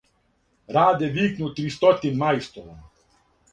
Раде викну три стотин' мајстора: